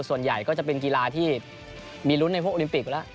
ส่วนใหญ่ก็จะเป็นกีฬาที่มีลุ้นในพวกโอลิมปิกไปแล้ว